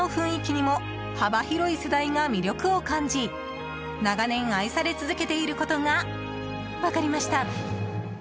料理はもちろん、店の雰囲気にも幅広い世代が魅力を感じ長年、愛され続けていることが分かりました。